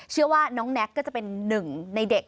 เชื่อว่าน้องแน็กก็จะเป็นหนึ่งในเด็ก